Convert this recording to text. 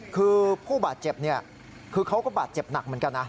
คือเขาก็บาดเจ็บหนักเหมือนกันนะ